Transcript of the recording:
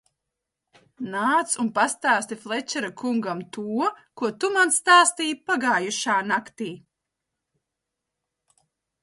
Nāc un pastāsti Flečera kungam to, ko tu man stāstīji pagajušā naktī!